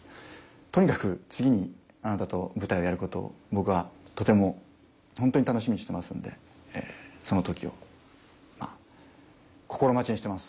とにかく次にあなたと舞台をやることを僕はとてもホントに楽しみにしてますんでその時をまあ心待ちにしてます。